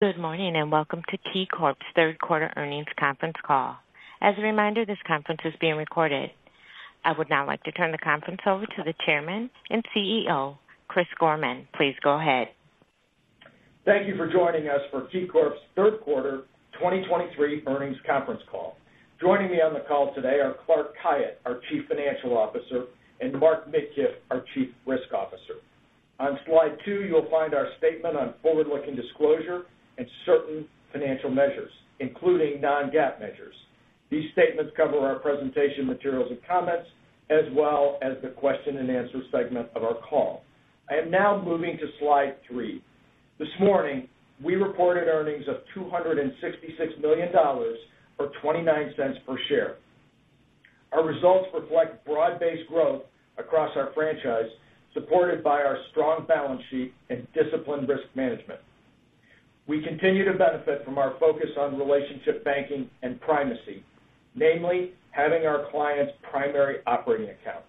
Good morning, and welcome to KeyCorp's Q3 earnings conference call. As a reminder, this conference is being recorded. I would now like to turn the conference over to the Chairman and CEO, Chris Gorman. Please go ahead. Thank you for joining us for KeyCorp's Q3 2023 earnings conference call. Joining me on the call today are Clark Khayat, our Chief Financial Officer, and Mark Midkiff, our Chief Risk Officer. On slide two, you'll find our statement on forward-looking disclosures and certain financial measures, including non-GAAP measures. These statements cover our presentation materials and comments, as well as the question-and-answer segment of our call. I am now moving to slide three. This morning, we reported earnings of $266 million, or $0.29 per share. Our results reflect broad-based growth across our franchise, supported by our strong balance sheet and disciplined risk management. We continue to benefit from our focus on relationship banking and primacy, namely, having our clients' primary operating account.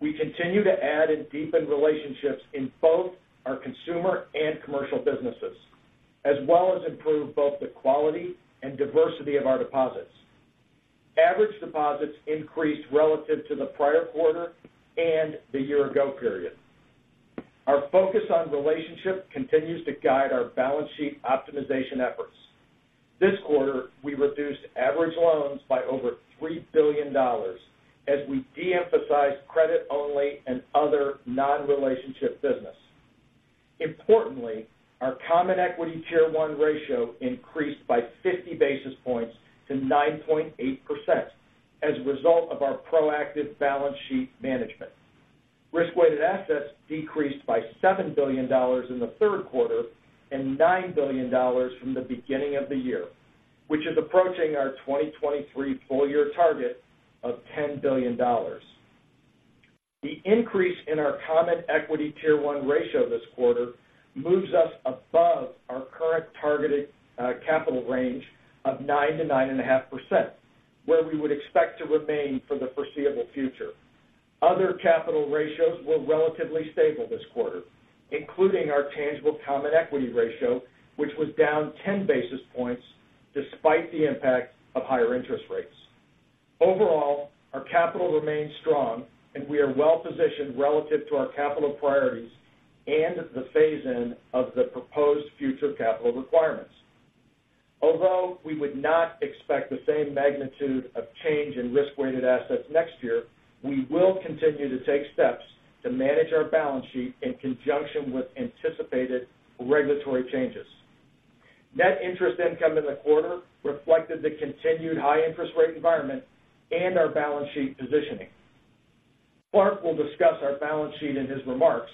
We continue to add and deepen relationships in both our consumer and commercial businesses, as well as improve both the quality and diversity of our deposits. Average deposits increased relative to the prior quarter and the year-ago period. Our focus on relationships continues to guide our balance sheet optimization efforts. This quarter, we reduced average loans by over $3 billion as we de-emphasized credit-only and other non-relationship business. Importantly, our Common Equity Tier 1 ratio increased by 50 basis points to 9.8% as a result of our proactive balance sheet management. Risk-weighted assets decreased by $7 billion in the Q3 and $9 billion from the beginning of the year, which is approaching our 2023 full-year target of $10 billion. The increase in our Common Equity Tier 1 ratio this quarter moves us above our current targeted capital range of 9%-9.5%, where we would expect to remain for the foreseeable future. Other capital ratios were relatively stable this quarter, including our tangible common equity ratio, which was down 10 basis points despite the impact of higher interest rates. Overall, our capital remains strong, and we are well positioned relative to our capital priorities and the phase-in of the proposed future capital requirements. Although we would not expect the same magnitude of change in risk-weighted assets next year, we will continue to take steps to manage our balance sheet in conjunction with anticipated regulatory changes. Net interest income in the quarter reflected the continued high interest rate environment and our balance sheet positioning. Clark will discuss our balance sheet in his remarks,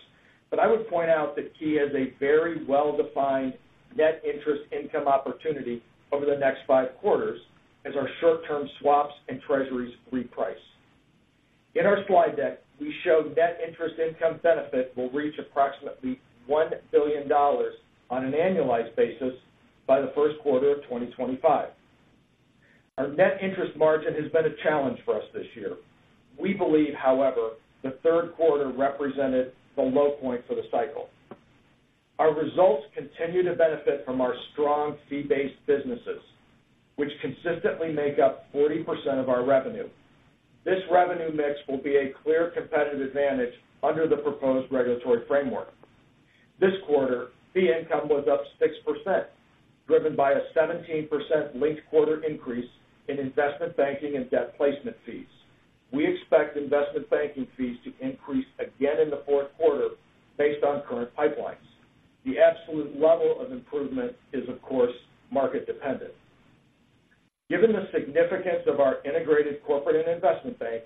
but I would point out that Key has a very well-defined net interest income opportunity over the next five quarters as our short-term swaps and Treasuries reprice. In our slide deck, we show net interest income benefit will reach approximately $1 billion on an annualized basis by the Q1 of 2025. Our net interest margin has been a challenge for us this year. We believe, however, the Q3 represented the low point for the cycle. Our results continue to benefit from our strong fee-based businesses, which consistently make up 40% of our revenue. This revenue mix will be a clear competitive advantage under the proposed regulatory framework. This quarter, fee income was up 6%, driven by a 17% linked quarter increase in investment banking and debt placement fees. We expect investment banking fees to increase again in the Q4 based on current pipelines. The absolute level of improvement is, of course, market dependent. Given the significance of our integrated corporate and investment bank,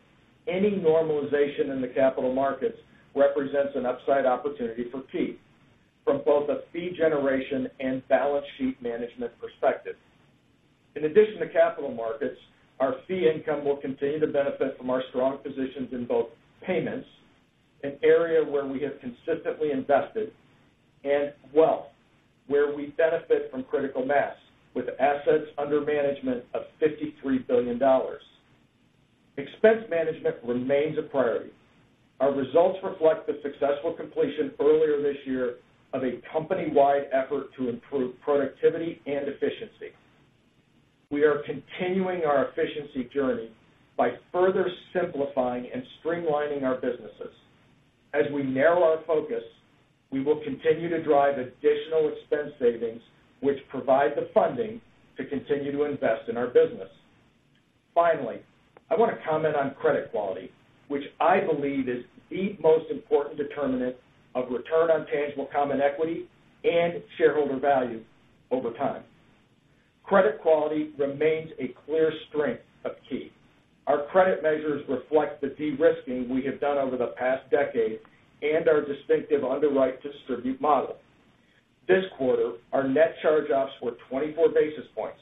any normalization in the capital markets represents an upside opportunity for Key from both a fee generation and balance sheet management perspective. In addition to capital markets, our fee income will continue to benefit from our strong positions in both payments, an area where we have consistently invested, and wealth, where we benefit from critical mass with assets under management of $53 billion. Expense management remains a priority. Our results reflect the successful completion earlier this year of a company-wide effort to improve productivity and efficiency. We are continuing our efficiency journey by further simplifying and streamlining our businesses. As we narrow our focus, we will continue to drive additional expense savings, which provide the funding to continue to invest in our business. Finally, I want to comment on credit quality, which I believe is the most important determinant of return on tangible Common Equity and shareholder value over time. Credit quality remains a clear strength of Key. Our credit measures reflect the de-risking we have done over the past decade and our distinctive underwrite-to-distribute model. This quarter, our net charge-offs were 24 basis points.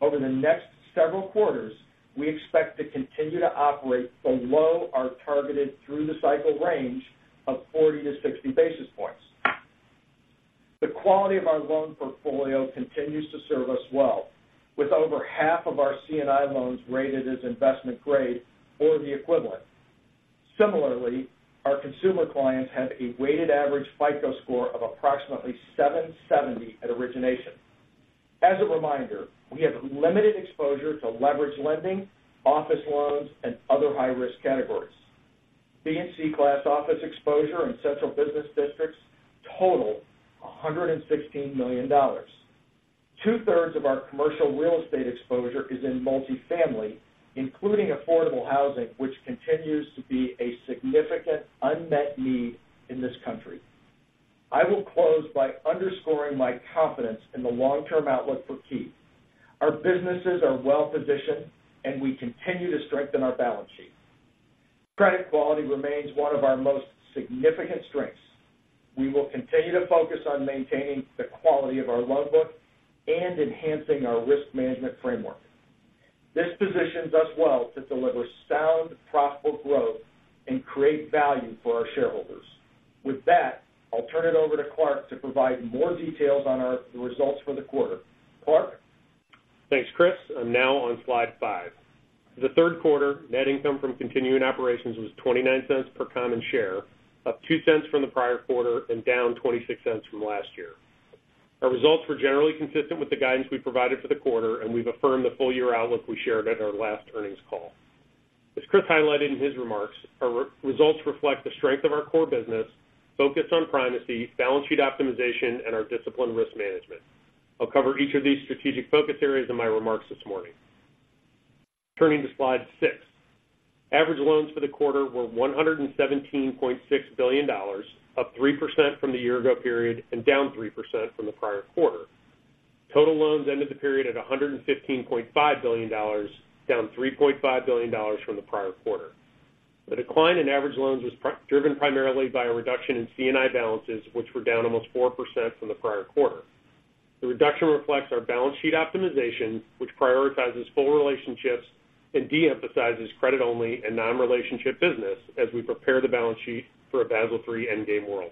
Over the next several quarters, we expect to continue to operate below our targeted through-the-cycle range of 40-60 basis points. The quality of our loan portfolio continues to serve us well, with over half of our C&I loans rated as investment grade or the equivalent. Similarly, our consumer clients had a weighted average FICO Score of approximately 770 at origination. As a reminder, we have limited exposure to leveraged lending, office loans, and other high-risk categories. B and C class office exposure in central business districts total $116 million. 2/3 of our commercial real estate exposure is in multifamily, including affordable housing, which continues to be a significant unmet need in this country. I will close by underscoring my confidence in the long-term outlook for Key. Our businesses are well positioned, and we continue to strengthen our balance sheet. Credit quality remains one of our most significant strengths. We will continue to focus on maintaining the quality of our loan book and enhancing our risk management framework. This positions us well to deliver sound, profitable growth and create value for our shareholders. With that, I'll turn it over to Clark to provide more details on the results for the quarter. Clark? Thanks, Chris. I'm now on slide five. The Q3 net income from continuing operations was $0.29 per common share, up $0.02 from the prior quarter and down $0.26 from last year. Our results were generally consistent with the guidance we provided for the quarter, and we've affirmed the full year outlook we shared at our last earnings call. As Chris highlighted in his remarks, our results reflect the strength of our core business, focus on primacy, balance sheet optimization, and our disciplined risk management. I'll cover each of these strategic focus areas in my remarks this morning. Turning to slide six. Average loans for the quarter were $117.6 billion, up 3% from the year-ago period and down 3% from the prior quarter. Total loans ended the period at $115.5 billion, down $3.5 billion from the prior quarter. The decline in average loans was driven primarily by a reduction in C&I balances, which were down almost 4% from the prior quarter. The reduction reflects our balance sheet optimization, which prioritizes full relationships and de-emphasizes credit only and non-relationship business as we prepare the balance sheet for a Basel III Endgame world.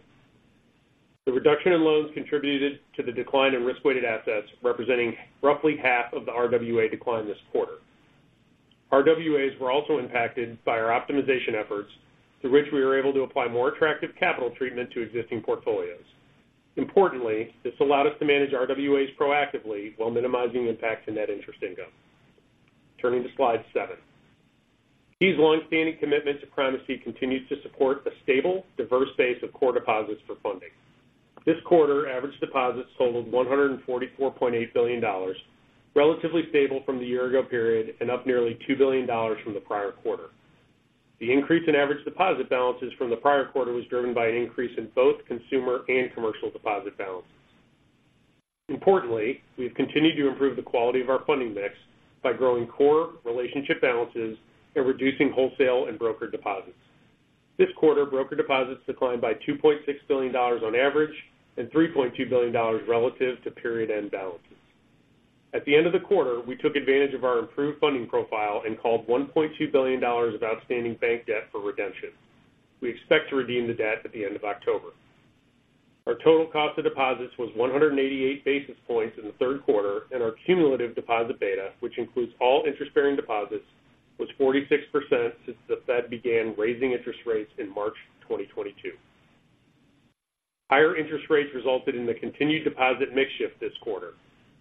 The reduction in loans contributed to the decline in risk-weighted assets, representing roughly half of the RWA decline this quarter. RWAs were also impacted by our optimization efforts, through which we were able to apply more attractive capital treatment to existing portfolios. Importantly, this allowed us to manage RWAs proactively while minimizing impacts in net interest income. Turning to slide seven. Key's long-standing commitment to primacy continues to support a stable, diverse base of core deposits for funding. This quarter, average deposits totaled $144.8 billion, relatively stable from the year ago period and up nearly $2 billion from the prior quarter. The increase in average deposit balances from the prior quarter was driven by an increase in both consumer and commercial deposit balances. Importantly, we've continued to improve the quality of our funding mix by growing core relationship balances and reducing wholesale and brokered deposits. This quarter, brokered deposits declined by $2.6 billion on average and $3.2 billion relative to period-end balances. At the end of the quarter, we took advantage of our improved funding profile and called $1.2 billion of outstanding bank debt for redemption. We expect to redeem the debt at the end of October. Our total cost of deposits was 188 basis points in the Q3, and our cumulative deposit beta, which includes all interest-bearing deposits, was 46% since the Fed began raising interest rates in March 2022. Higher interest rates resulted in the continued deposit mix shift this quarter.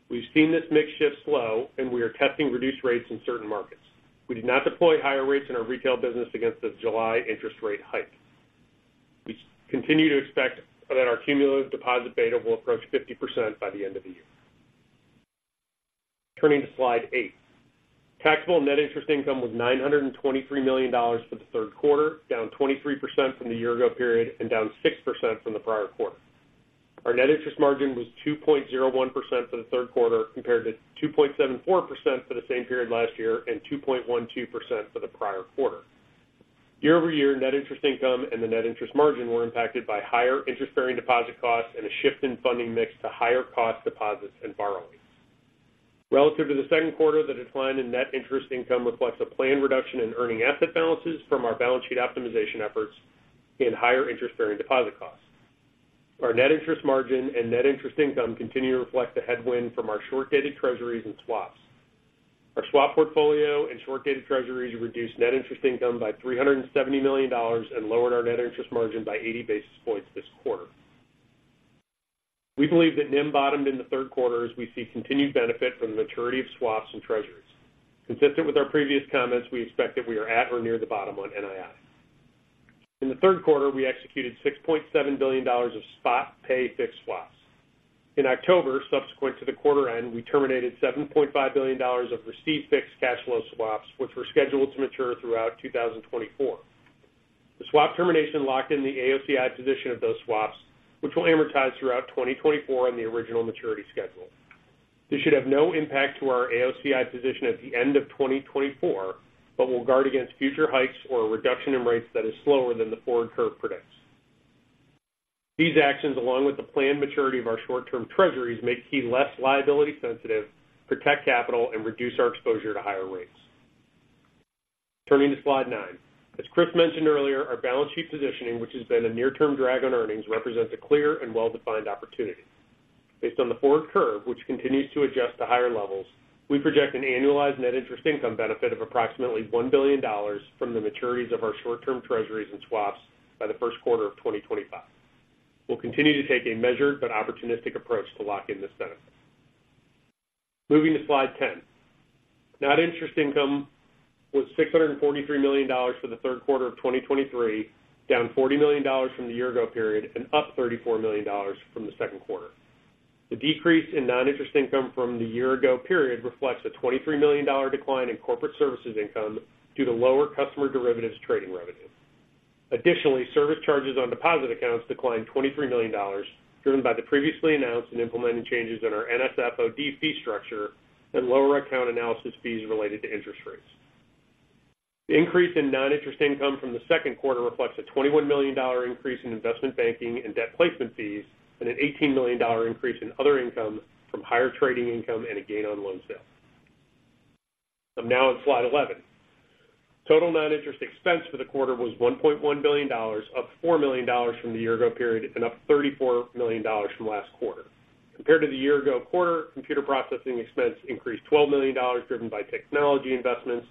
We've seen this mix shift slow, and we are testing reduced rates in certain markets. We did not deploy higher rates in our retail business against the July interest rate hike. We continue to expect that our cumulative deposit beta will approach 50% by the end of the year. Turning to slide eight. Taxable net interest income was $923 million for the Q3, down 23% from the year-ago period and down 6% from the prior quarter. Our net interest margin was 2.01% for the Q3, compared to 2.74% for the same period last year and 2.12% for the prior quarter. Year-over-year, net interest income and the net interest margin were impacted by higher interest-bearing deposit costs and a shift in funding mix to higher cost deposits and borrowings. Relative to the Q3, the decline in net interest income reflects a planned reduction in earning asset balances from our balance sheet optimization efforts and higher interest-bearing deposit costs. Our net interest margin and net interest income continue to reflect the headwind from our short-dated Treasuries and swaps. Our swap portfolio and short-dated Treasuries reduced net interest income by $370 million and lowered our net interest margin by 80 basis points this quarter. We believe that NIM bottomed in the Q3 as we see continued benefit from the maturity of swaps and Treasuries. Consistent with our previous comments, we expect that we are at or near the bottom on NII. In the Q3, we executed $6.7 billion of spot pay fixed swaps. In October, subsequent to the quarter end, we terminated $7.5 billion of receive fixed cash flow swaps, which were scheduled to mature throughout 2024. The swap termination locked in the AOCI position of those swaps, which will amortize throughout 2024 on the original maturity schedule. This should have no impact to our AOCI position at the end of 2024, but will guard against future hikes or a reduction in rates that is slower than the forward curve predicts. These actions, along with the planned maturity of our short-term Treasuries, make Key less liability sensitive, protect capital, and reduce our exposure to higher rates. Turning to slide nine. As Chris mentioned earlier, our balance sheet positioning, which has been a near-term drag on earnings, represents a clear and well-defined opportunity. Based on the forward curve, which continues to adjust to higher levels, we project an annualized net interest income benefit of approximately $1 billion from the maturities of our short-term Treasuries and swaps by the Q1 of 2025. We'll continue to take a measured but opportunistic approach to lock in this benefit. Moving to slide 10. Net interest income was $643 million for the Q3 of 2023, down $40 million from the year ago period and up $34 million from the Q2. The decrease in non-interest income from the year ago period reflects a $23 million decline in corporate services income due to lower customer derivatives trading revenue. Additionally, service charges on deposit accounts declined $23 million, driven by the previously announced and implemented changes in our NSF/OD fee structure and lower account analysis fees related to interest rates. The increase in non-interest income from the Q2 reflects a $21 million increase in investment banking and debt placement fees, and an $18 million increase in other income from higher trading income and a gain on loan sales. I'm now on slide 11. Total non-interest expense for the quarter was $1.1 billion, up $4 million from the year ago period and up $34 million from last quarter. Compared to the year ago quarter, computer processing expense increased $12 million, driven by technology investments,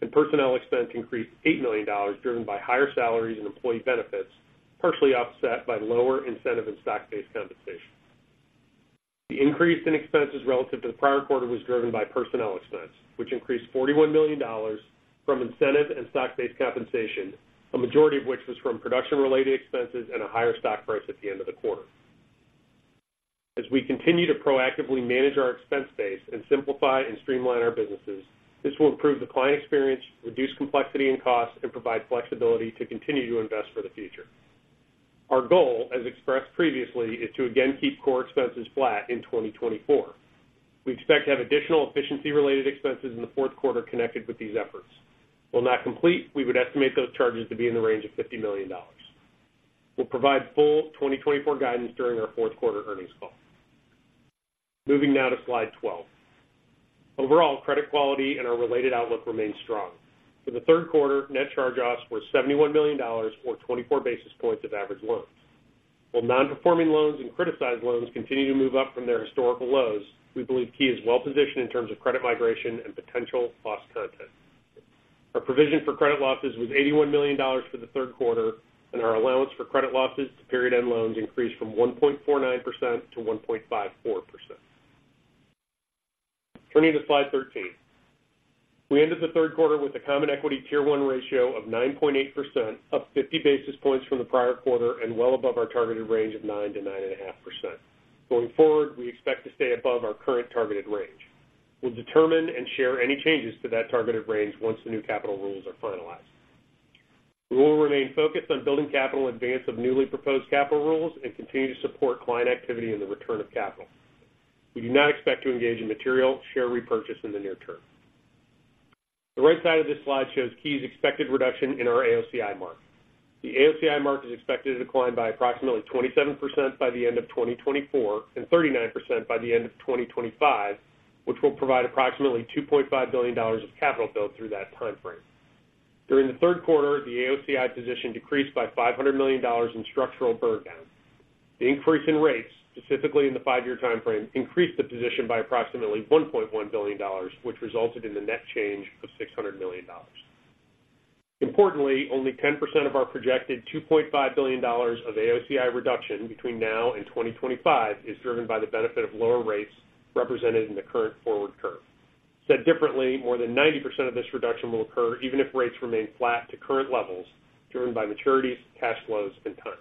and personnel expense increased $8 million, driven by higher salaries and employee benefits, partially offset by lower incentive and stock-based compensation. The increase in expenses relative to the prior quarter was driven by personnel expense, which increased $41 million from incentive and stock-based compensation, a majority of which was from production-related expenses and a higher stock price at the end of the quarter. As we continue to proactively manage our expense base and simplify and streamline our businesses, this will improve the client experience, reduce complexity and costs, and provide flexibility to continue to invest for the future. Our goal, as expressed previously, is to again keep core expenses flat in 2024. We expect to have additional efficiency-related expenses in the Q4 connected with these efforts. While not complete, we would estimate those charges to be in the range of $50 million. We'll provide full 2024 guidance during our Q4 earnings call. Moving now to slide 12. Overall, credit quality and our related outlook remain strong. For the Q3, net charge-offs were $71 million, or 24 basis points of average loans. While non-performing loans and criticized loans continue to move up from their historical lows, we believe Key is well positioned in terms of credit migration and potential loss content. Our provision for credit losses was $81 million for the Q3, and our allowance for credit losses to period-end loans increased from 1.49%-1.54%. Turning to slide 13. We ended the Q3 with a Common Equity Tier 1 ratio of 9.8%, up 50 basis points from the prior quarter and well above our targeted range of 9%-9.5%. Going forward, we expect to stay above our current targeted range. We'll determine and share any changes to that targeted range once the new capital rules are finalized. We will remain focused on building capital in advance of newly proposed capital rules and continue to support client activity in the return of capital. We do not expect to engage in material share repurchase in the near term. The right side of this slide shows Key's expected reduction in our AOCI mark. The AOCI mark is expected to decline by approximately 27% by the end of 2024, and 39% by the end of 2025, which will provide approximately $2.5 billion of capital build through that time frame. During the Q3, the AOCI position decreased by $500 million in structural burn down. The increase in rates, specifically in the 5-year time frame, increased the position by approximately $1.1 billion, which resulted in the net change of $600 million. Importantly, only 10% of our projected $2.5 billion of AOCI reduction between now and 2025 is driven by the benefit of lower rates represented in the current forward curve. Said differently, more than 90% of this reduction will occur even if rates remain flat to current levels, driven by maturities, cash flows, and time.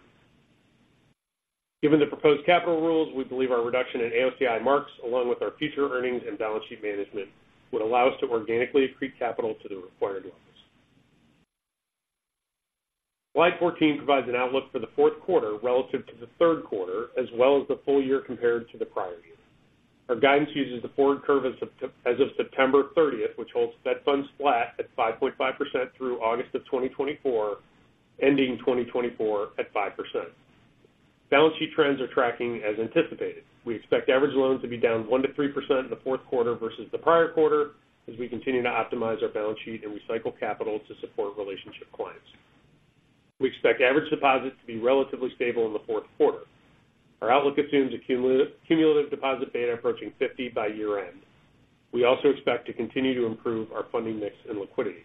Given the proposed capital rules, we believe our reduction in AOCI marks, along with our future earnings and balance sheet management, would allow us to organically accrete capital to the required levels. Slide 14 provides an outlook for the Q4 relative to the Q3, as well as the full year compared to the prior year. Our guidance uses the forward curve as of September 30, which holds Fed Funds flat at 5.5% through August of 2024, ending 2024 at 5%. Balance sheet trends are tracking as anticipated. We expect average loans to be down 1%-3% in the Q4 versus the prior quarter, as we continue to optimize our balance sheet and recycle capital to support relationship clients. We expect average deposits to be relatively stable in the Q4. Our outlook assumes cumulative deposit beta approaching 50 by year-end. We also expect to continue to improve our funding mix and liquidity.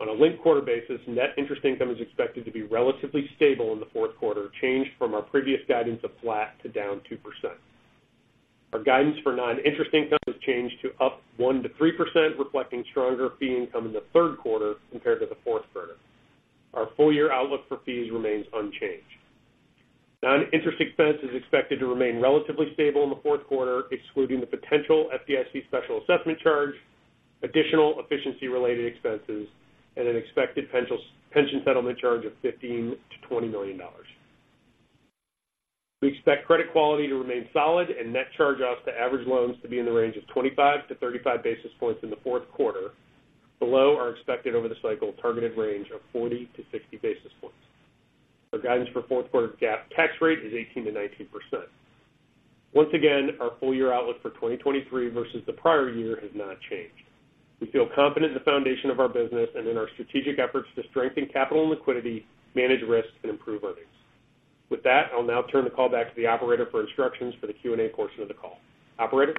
On a linked quarter basis, net interest income is expected to be relatively stable in the Q4, changed from our previous guidance of flat to down 2%. Our guidance for non-interest income has changed to up 1%-3%, reflecting stronger fee income in the Q3 compared to the Q4. Our full-year outlook for fees remains unchanged. Non-interest expense is expected to remain relatively stable in the Q4, excluding the potential FDIC special assessment charge, additional efficiency-related expenses, and an expected pension settlement charge of $15 million-$20 million. We expect credit quality to remain solid and net charge-offs to average loans to be in the range of 25-35 basis points in the Q4, below our expected over the cycle targeted range of 40-60 basis points. Our guidance for Q4 GAAP tax rate is 18%-19%. Once again, our full-year outlook for 2023 versus the prior year has not changed.... We feel confident in the foundation of our business and in our strategic efforts to strengthen capital and liquidity, manage risks, and improve earnings. With that, I'll now turn the call back to the operator for instructions for the Q&A portion of the call. Operator?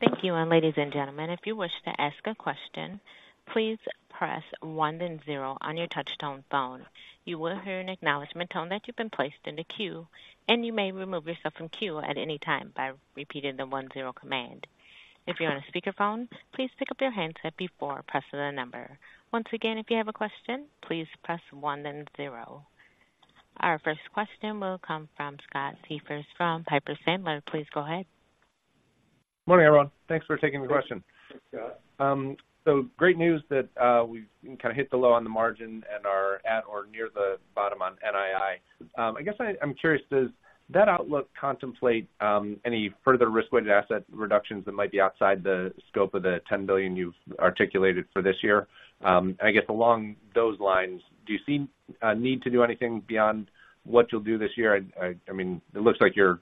Thank you. And ladies and gentlemen, if you wish to ask a question, please press one then zero on your touch-tone phone. You will hear an acknowledgment tone that you've been placed in the queue, and you may remove yourself from queue at any time by repeating the one-zero command. If you're on a speakerphone, please pick up your handset before pressing the number. Once again, if you have a question, please press one then zero. Our first question will come from Scott Siefers from Piper Sandler. Please go ahead. Good morning, everyone. Thanks for taking the question. Thanks, Scott. So great news that we've kind of hit the low on the margin and are at or near the bottom on NII. I guess I'm curious, does that outlook contemplate any further risk-weighted asset reductions that might be outside the scope of the $10 billion you've articulated for this year? And I guess along those lines, do you see need to do anything beyond what you'll do this year? I mean, it looks like you're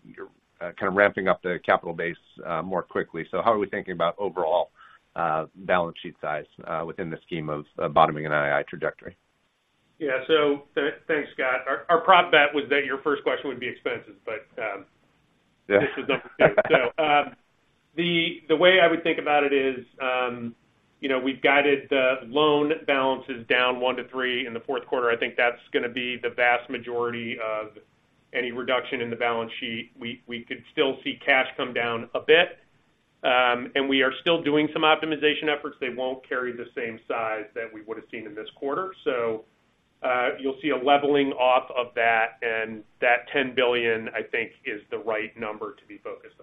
kind of ramping up the capital base more quickly. So how are we thinking about overall balance sheet size within the scheme of bottoming an NII trajectory? Yeah. So thanks, Scott. Our prop bet was that your first question would be expenses, but, Yeah. This is number two. So, the way I would think about it is, you know, we've guided the loan balances down 1%-3% in the Q4. I think that's going to be the vast majority of any reduction in the balance sheet. We could still see cash come down a bit. And we are still doing some optimization efforts. They won't carry the same size that we would have seen in this quarter. So, you'll see a leveling off of that, and that $10 billion, I think, is the right number to be focused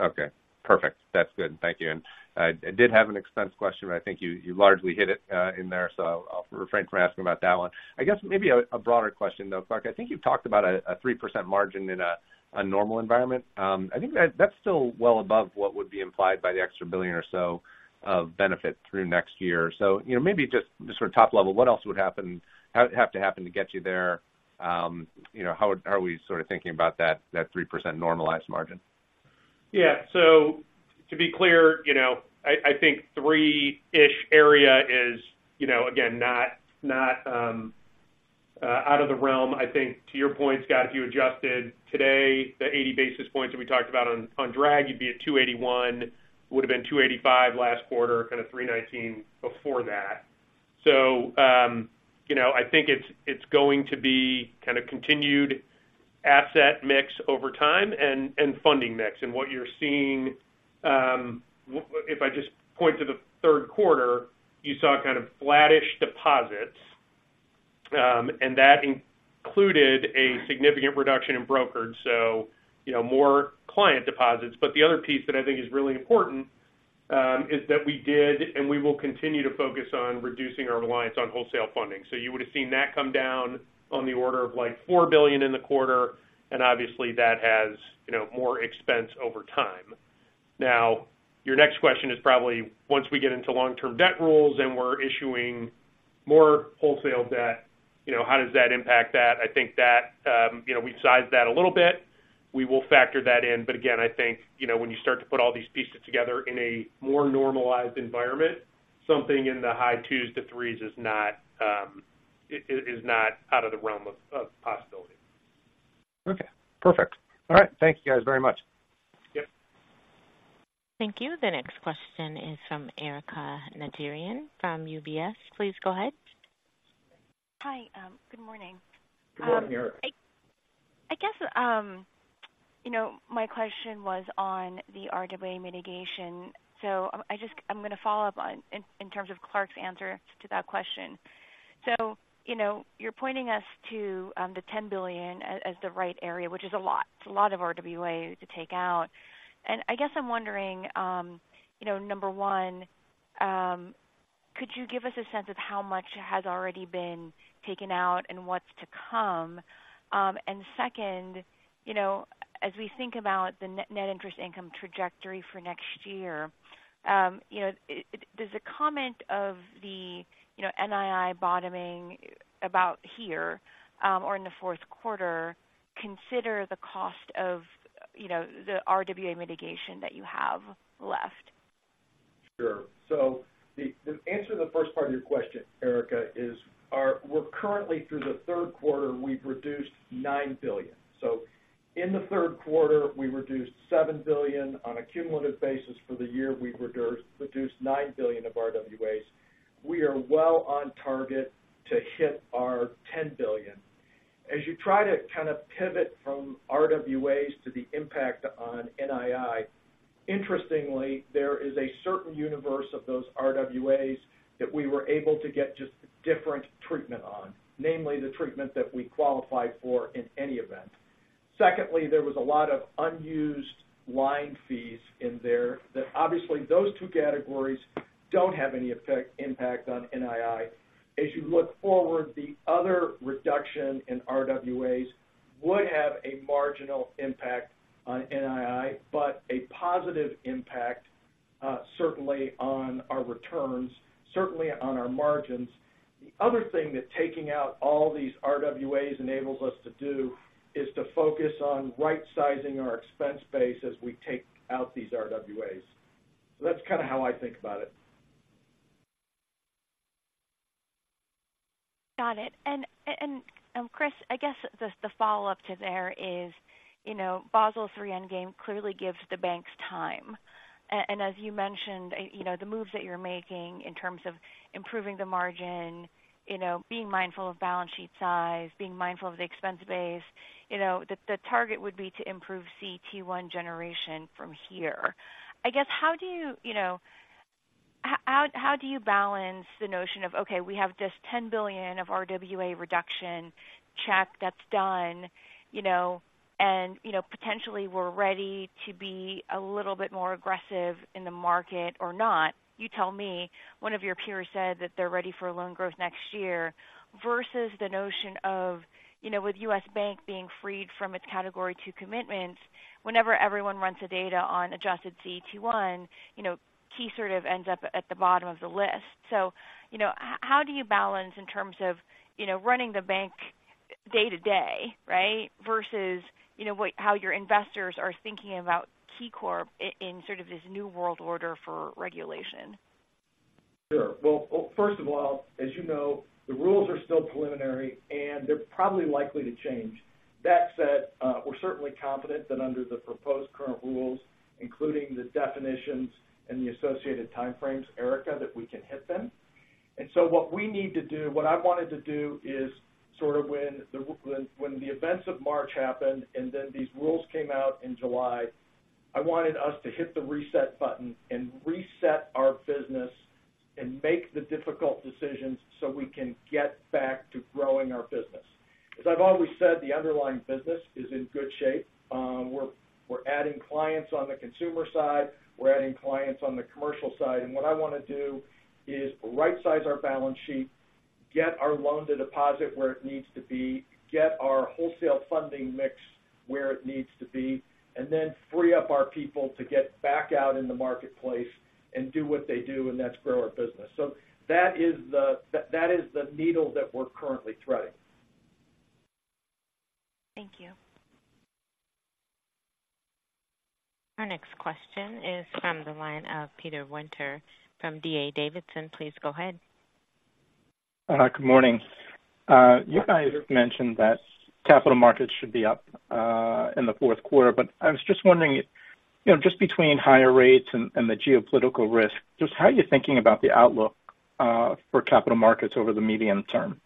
on. Okay, perfect. That's good. Thank you. And I, I did have an expense question, but I think you, you largely hit it in there, so I'll, I'll refrain from asking about that one. I guess maybe a broader question, though, Clark. I think you've talked about a 3% margin in a normal environment. I think that's still well above what would be implied by the extra $1 billion or so of benefit through next year. So, you know, maybe just for top level, what else would have to happen to get you there? You know, how are we sort of thinking about that 3% normalized margin? Yeah. So to be clear, you know, I think three-ish area is, you know, again, not out of the realm. I think to your point, Scott, if you adjusted today, the 80 basis points that we talked about on drag, you'd be at 2.81, would have been 2.85 last quarter, kind of 3.19 before that. So, you know, I think it's going to be kind of continued asset mix over time and funding mix. And what you're seeing, if I just point to the Q3, you saw kind of flattish deposits, and that included a significant reduction in brokerage. So, you know, more client deposits. But the other piece that I think is really important is that we did, and we will continue to focus on reducing our reliance on wholesale funding. So you would have seen that come down on the order of, like, $4 billion in the quarter, and obviously, that has, you know, more expense over time. Now, your next question is probably, once we get into long-term debt rules and we're issuing more wholesale debt, you know, how does that impact that? I think that, you know, we've sized that a little bit. We will factor that in. But again, I think, you know, when you start to put all these pieces together in a more normalized environment, something in the high 2s-3s is not out of the realm of possibility. Okay, perfect. All right. Thank you guys very much. Yep. Thank you. The next question is from Erika Najarian from UBS. Please go ahead. Hi, good morning. Good morning, Erika. I guess, you know, my question was on the RWA mitigation. So I just, I'm going to follow up on in terms of Clark's answer to that question. So, you know, you're pointing us to the $10 billion as the right area, which is a lot. It's a lot of RWA to take out. And I guess I'm wondering, you know, number one, could you give us a sense of how much has already been taken out and what's to come? And second, you know, as we think about the net interest income trajectory for next year, you know, does the comment of the, you know, NII bottoming about here or in the Q4 consider the cost of, you know, the RWA mitigation that you have left? Sure. So the, the answer to the first part of your question, Erika, is, our, we're currently through the Q3, we've reduced $9 billion. So in the Q3, we reduced $7 billion. On a cumulative basis for the year, we've reduced, reduced $9 billion of RWAs. We are well on target to hit our $10 billion. As you try to kind of pivot from RWAs to the impact on NII, interestingly, there is a certain universe of those RWAs that we were able to get just different treatment on, namely the treatment that we qualified for in any event. Secondly, there was a lot of unused line fees in there that obviously those two categories don't have any impact on NII. As you look forward, the other reduction in RWAs would have a marginal impact on NII, but a positive impact, certainly on our returns, certainly on our margins. The other thing that taking out all these RWAs enables us to do is to focus on right-sizing our expense base as we take out these RWAs. So that's kind of how I think about it. Got it. And Chris, I guess the follow-up to there is, you know, Basel III Endgame clearly gives the banks time. And as you mentioned, you know, the moves that you're making in terms of improving the margin, you know, being mindful of balance sheet size, being mindful of the expense base, you know, the target would be to improve CET1 generation from here. I guess, how do you, you know, how do you balance the notion of, okay, we have this 10 billion of RWA reduction check that's done, you know, and, you know, potentially we're ready to be a little bit more aggressive in the market or not? You tell me. One of your peers said that they're ready for loan growth next year, versus the notion of, you know, with U.S. Bank being freed from its Category II commitments, whenever everyone runs the data on adjusted CET1, you know, Key sort of ends up at the bottom of the list. So, you know, how do you balance in terms of, you know, running the bank day-to-day, right, versus, you know, how your investors are thinking about KeyCorp in sort of this new world order for regulation? Sure. Well, well, first of all, as you know, the rules are still preliminary, and they're probably likely to change. That said, we're certainly confident that under the proposed current rules, including the definitions and the associated time frames, Erika, that we can hit them. And so what we need to do, what I wanted to do is sort of when the events of March happened, and then these rules came out in July, I wanted us to hit the reset button and reset our business and make the difficult decisions so we can get back to growing our business. As I've always said, the underlying business is in good shape. We're adding clients on the consumer side, we're adding clients on the commercial side. And what I want to do is right-size our balance sheet, get our loan to deposit where it needs to be, get our wholesale funding mix where it needs to be, and then free up our people to get back out in the marketplace and do what they do, and that's grow our business. So that is that, that is the needle that we're currently threading. Thank you. Our next question is from the line of Peter Winter from D.A. Davidson. Please go ahead. Good morning. You guys mentioned that capital markets should be up in the Q4, but I was just wondering, you know, just between higher rates and the geopolitical risk, just how are you thinking about the outlook for capital markets over the medium term?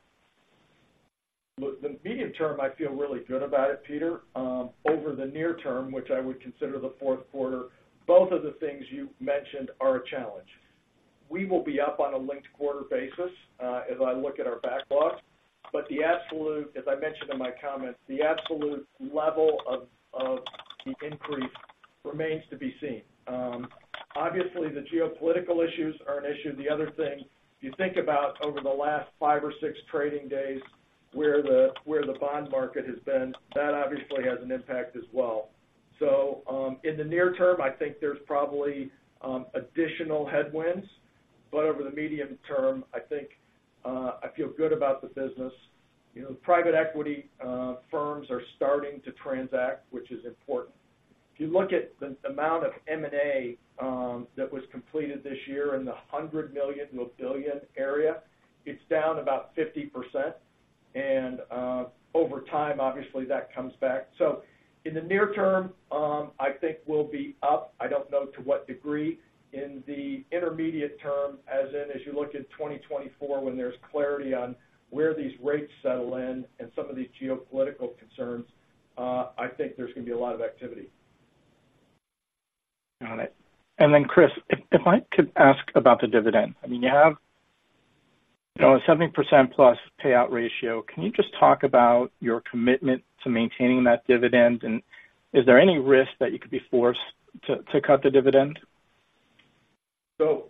Look, the medium term, I feel really good about it, Peter. Over the near term, which I would consider the Q4, both of the things you've mentioned are a challenge. We will be up on a linked quarter basis, as I look at our backlog, but the absolute, as I mentioned in my comments, the absolute level of, of the increase remains to be seen. Obviously, the geopolitical issues are an issue. The other thing, if you think about over the last five or six trading days, where the, where the bond market has been, that obviously has an impact as well. So, in the near term, I think there's probably additional headwinds, but over the medium term, I think, I feel good about the business. You know, private equity firms are starting to transact, which is important. If you look at the amount of M&A that was completed this year in the $100 million-$1 billion area, it's down about 50%, and, over time, obviously, that comes back. So in the near term, I think we'll be up. I don't know to what degree. In the intermediate term, as in, as you look at 2024, when there's clarity on where these rates settle in and some of these geopolitical concerns, I think there's going to be a lot of activity. Got it. And then, Chris, if I could ask about the dividend. I mean, you have, you know, a 70%+ payout ratio. Can you just talk about your commitment to maintaining that dividend? And is there any risk that you could be forced to cut the dividend? So,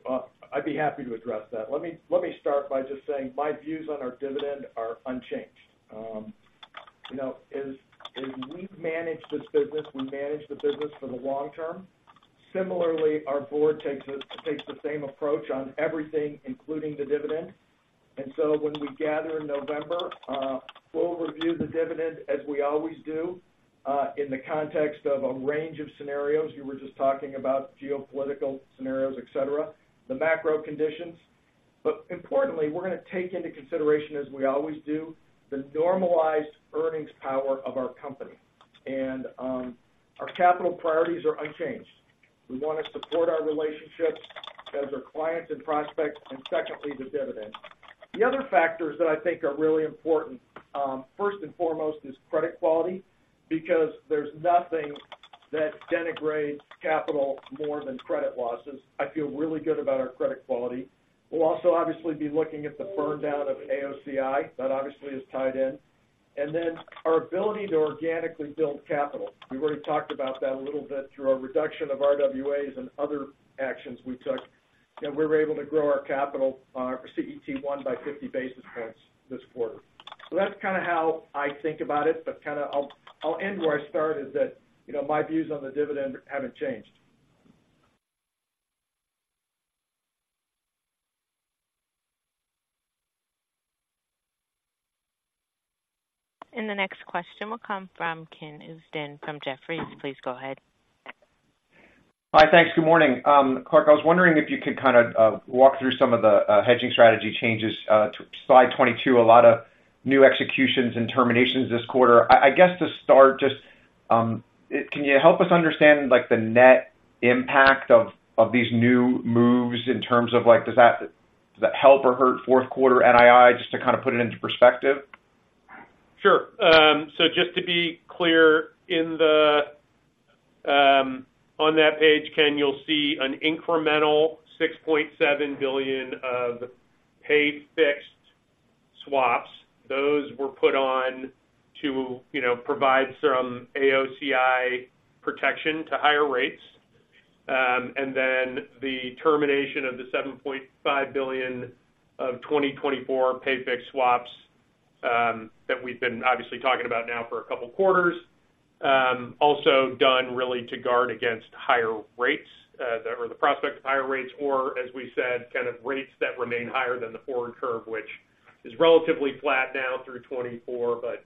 I'd be happy to address that. Let me, let me start by just saying my views on our dividend are unchanged. You know, as we've managed this business, we manage the business for the long term. Similarly, our board takes the same approach on everything, including the dividend. And so when we gather in November, we'll review the dividend, as we always do, in the context of a range of scenarios. You were just talking about geopolitical scenarios, et cetera, the macro conditions. But importantly, we're going to take into consideration, as we always do, the normalized earnings power of our company. And, our capital priorities are unchanged. We want to support our relationships as our clients and prospects, and secondly, the dividend. The other factors that I think are really important, first and foremost, is credit quality, because there's nothing that denigrates capital more than credit losses. I feel really good about our credit quality. We'll also obviously be looking at the burn down of AOCI. That obviously is tied in. And then our ability to organically build capital. We already talked about that a little bit through our reduction of RWAs and other actions we took, that we were able to grow our capital, for CET1 by 50 basis points this quarter. So that's kind of how I think about it, but kind of I'll end where I started, that, you know, my views on the dividend haven't changed. The next question will come from Ken Usdin from Jefferies. Please go ahead. Hi, thanks. Good morning. Clark, I was wondering if you could kind of walk through some of the hedging strategy changes to slide 22, a lot of new executions and terminations this quarter. I guess, to start, just can you help us understand, like, the net impact of these new moves in terms of like, does that help or hurt Q4 NII, just to kind of put it into perspective? Sure. So just to be clear, in the, on that page, Ken, you'll see an incremental $6.7 billion of pay fixed swaps. Those were put on to, you know, provide some AOCI protection to higher rates. And then the termination of the $7.5 billion of 2024 pay fixed swaps, that we've been obviously talking about now for a couple of quarters. Also done really to guard against higher rates, or the prospect of higher rates, or as we said, kind of rates that remain higher than the forward curve, which is relatively flat now through 2024, but,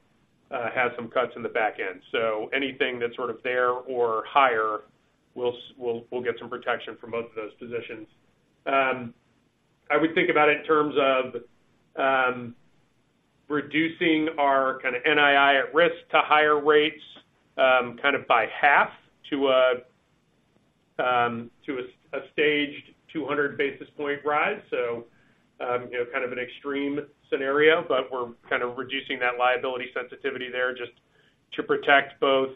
has some cuts in the back end. So anything that's sort of there or higher, we'll get some protection from both of those positions. I would think about it in terms of reducing our kind of NII at risk to higher rates, kind of by half to a staged 200 basis point rise. So, you know, kind of an extreme scenario, but we're kind of reducing that liability sensitivity there just to protect both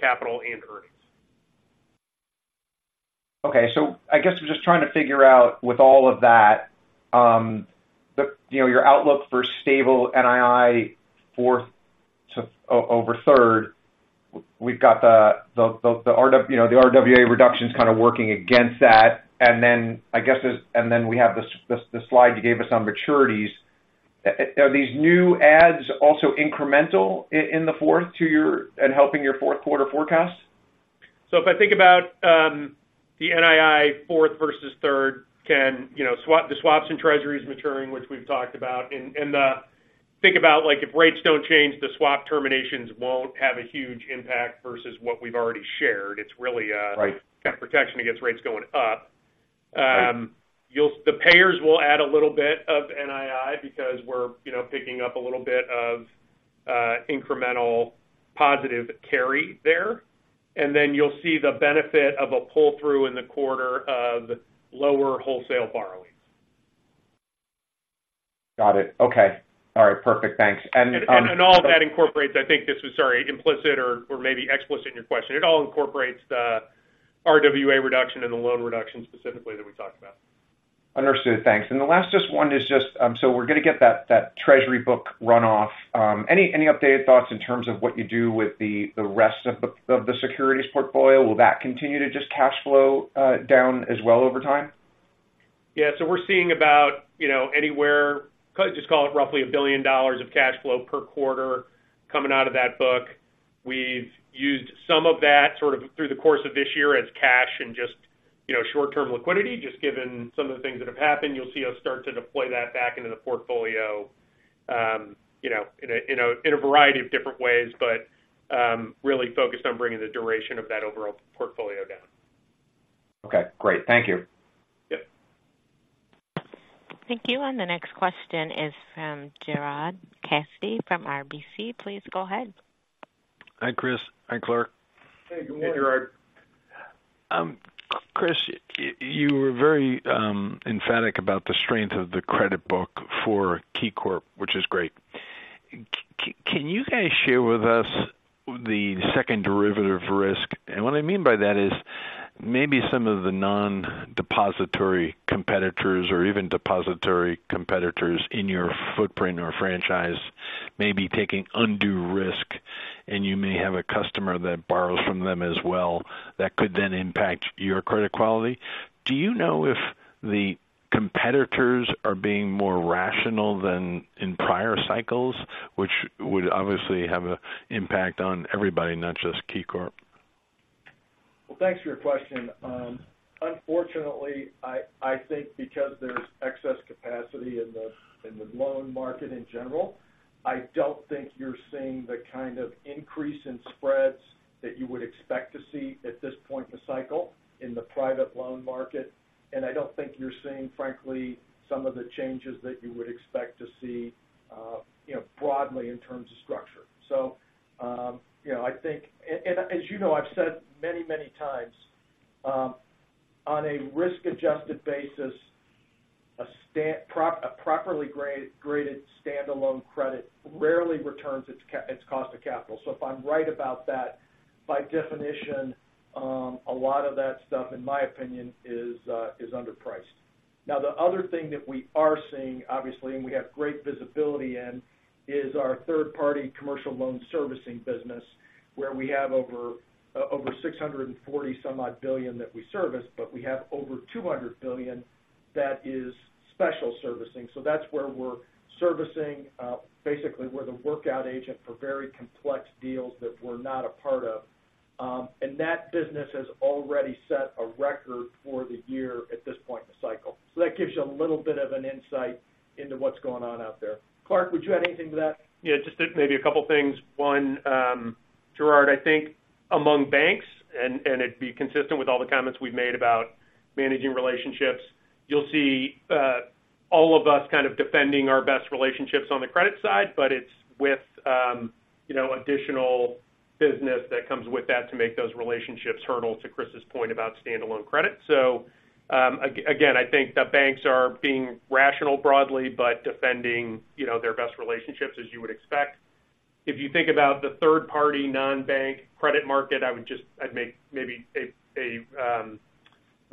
capital and earnings. Okay. So I guess I'm just trying to figure out with all of that, you know, your outlook for stable NII fourth to over third. We've got the RW, you know, the RWA reduction is kind of working against that. And then I guess, and then we have the slide you gave us on maturities. Are these new ads also incremental in the fourth to your and helping your Q4 forecast? So if I think about the NII fourth versus third, Ken, you know, the swaps and Treasuries maturing, which we've talked about, and think about, like, if rates don't change, the swap terminations won't have a huge impact versus what we've already shared. It's really, Right. Kind of protection against rates going up. You'll—the payers will add a little bit of NII because we're, you know, picking up a little bit of incremental positive carry there. And then you'll see the benefit of a pull-through in the quarter of lower wholesale borrowings. Got it. Okay. All right, perfect. Thanks. And, All that incorporates, I think this was, sorry, implicit or, or maybe explicit in your question. It all incorporates the RWA reduction and the loan reduction specifically that we talked about. Understood. Thanks. And the last just one is just, so we're going to get that, that Treasury book run off. Any, any updated thoughts in terms of what you do with the, the rest of the, of the securities portfolio? Will that continue to just cash flow down as well over time? Yeah. So we're seeing about, you know, anywhere, just call it roughly $1 billion of cash flow per quarter coming out of that book. We've used some of that sort of through the course of this year as cash and just, you know, short-term liquidity, just given some of the things that have happened. You'll see us start to deploy that back into the portfolio, you know, in a variety of different ways, but really focused on bringing the duration of that overall portfolio down. Okay, great. Thank you. Yep. Thank you. And the next question is from Gerard Cassidy from RBC. Please go ahead. Hi, Chris. Hi, Clark. Hey, good morning, Gerard. Chris, you were very emphatic about the strength of the credit book for KeyCorp, which is great. Can you guys share with us the second derivative risk? And what I mean by that is, maybe some of the non-depository competitors or even depository competitors in your footprint or franchise may be taking undue risk, and you may have a customer that borrows from them as well, that could then impact your credit quality. Do you know if the competitors are being more rational than in prior cycles, which would obviously have a impact on everybody, not just KeyCorp? Well, thanks for your question. Unfortunately, I think because there's excess capacity in the loan market in general, I don't think you're seeing the kind of increase in spreads that you would expect to see at this point in the cycle in the private loan market. And I don't think you're seeing, frankly, some of the changes that you would expect to see, you know, broadly in terms of structure. So, you know, I think. And as you know, I've said many, many times, on a risk-adjusted basis, a properly graded stand-alone credit rarely returns its cost to capital. So if I'm right about that, by definition, a lot of that stuff, in my opinion, is underpriced. Now, the other thing that we are seeing, obviously, and we have great visibility into our third-party commercial loan servicing business, where we have over $640-some-odd billion that we service, but we have over $200 billion that is special servicing. So that's where we're servicing, basically, we're the workout agent for very complex deals that we're not a part of. And that business has already set a record for the year at this point in the cycle. So that gives you a little bit of an insight into what's going on out there. Clark, would you add anything to that? Yeah, just maybe a couple of things. One, Gerard, I think among banks, and it'd be consistent with all the comments we've made about managing relationships, you'll see all of us kind of defending our best relationships on the credit side, but it's with, you know, additional business that comes with that to make those relationships hurdle, to Chris's point about stand-alone credit. So, again, I think the banks are being rational broadly, but defending, you know, their best relationships, as you would expect. If you think about the third-party non-bank credit market, I would just, I'd make maybe a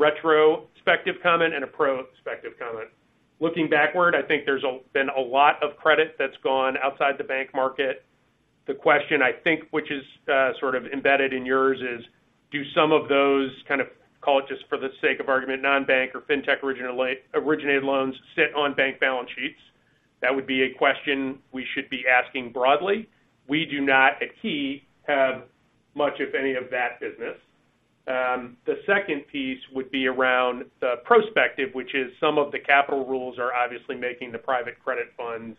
retrospective comment and a prospective comment. Looking backward, I think there's been a lot of credit that's gone outside the bank market. The question, I think, which is sort of embedded in yours is, do some of those kind of, call it just for the sake of argument, non-bank or fintech originally-originated loans sit on bank balance sheets? That would be a question we should be asking broadly. We do not, at Key, have much, if any, of that business. The second piece would be around the prospects, which is some of the capital rules are obviously making the private credit funds,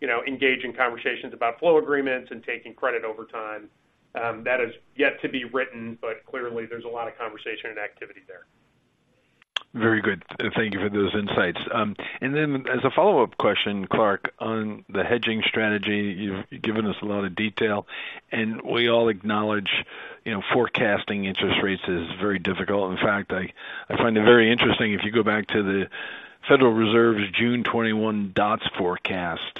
you know, engage in conversations about flow agreements and taking credit over time. That is yet to be written, but clearly there's a lot of conversation and activity there. Very good. Thank you for those insights. And then as a follow-up question, Clark, on the hedging strategy, you've given us a lot of detail, and we all acknowledge, you know, forecasting interest rates is very difficult. In fact, I find it very interesting. If you go back to the Federal Reserve's June 2021 dots forecast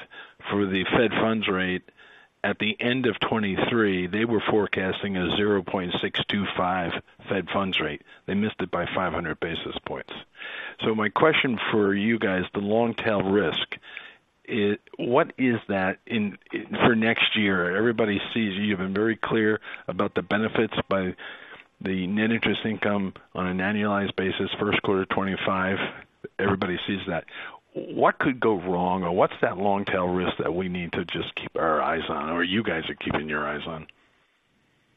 for the Fed funds rate at the end of 2023, they were forecasting a 0.625 Fed funds rate. They missed it by 500 basis points. So my question for you guys, the long tail risk, what is that in for next year? Everybody sees, you've been very clear about the benefits by the net interest income on an annualized basis, Q1 2025, everybody sees that. What could go wrong, or what's that long tail risk that we need to just keep our eyes on, or you guys are keeping your eyes on?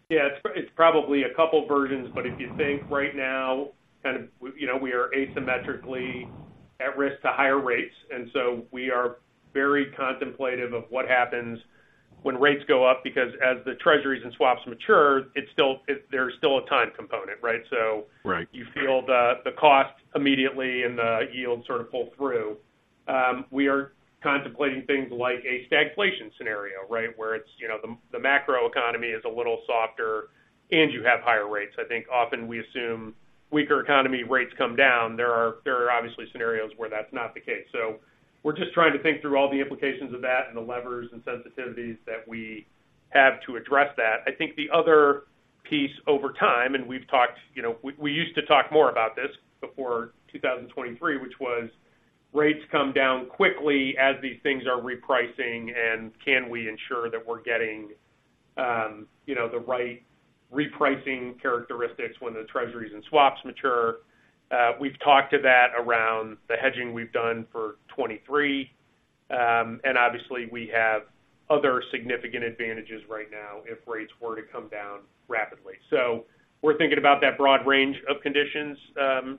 Yeah, it's probably a couple versions, but if you think right now, kind of, you know, we are asymmetrically at risk to higher rates, and so we are very contemplative of what happens when rates go up, because as the Treasuries and swaps mature, it's still, there's still a time component, right? So- Right. - you feel the cost immediately and the yield sort of pull through. We are contemplating things like a stagflation scenario, right? Where it's, you know, the macro economy is a little softer and you have higher rates. I think often we assume weaker economy rates come down. There are obviously scenarios where that's not the case. So we're just trying to think through all the implications of that and the levers and sensitivities that we have to address that. I think the other piece over time, and we've talked, you know, we used to talk more about this before 2023, which was rates come down quickly as these things are repricing, and can we ensure that we're getting, you know, the right repricing characteristics when the Treasuries and swaps mature? We've talked to that around the hedging we've done for 2023. And obviously, we have other significant advantages right now if rates were to come down rapidly. We're thinking about that broad range of conditions,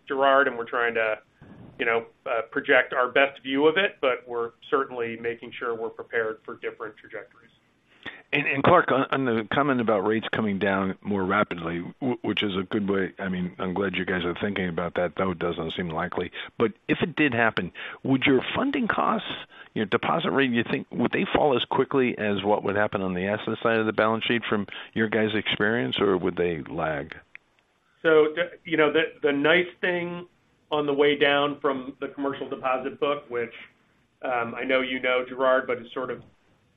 Gerard, and we're trying to, you know, project our best view of it, but we're certainly making sure we're prepared for different trajectories. And Clark, on the comment about rates coming down more rapidly, which is a good way, I mean, I'm glad you guys are thinking about that, though it doesn't seem likely. But if it did happen, would your funding costs, your deposit rate, you think, would they fall as quickly as what would happen on the asset side of the balance sheet from your guys' experience, or would they lag? So the, you know, the nice thing on the way down from the commercial deposit book, which I know you know, Gerard, but it's sort of,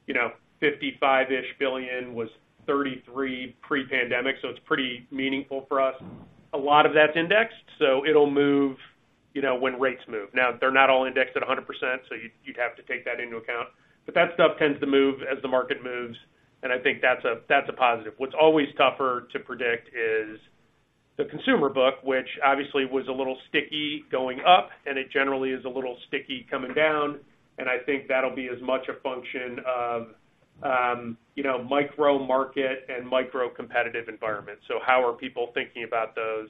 you know, $55-ish billion was $33 billion pre-pandemic, so it's pretty meaningful for us. A lot of that's indexed, so it'll move, you know, when rates move. Now, they're not all indexed at 100%, so you'd have to take that into account. But that stuff tends to move as the market moves, and I think that's a positive. What's always tougher to predict is the consumer book, which obviously was a little sticky going up, and it generally is a little sticky coming down, and I think that'll be as much a function of, you know, micro-market and micro competitive environment. So how are people thinking about those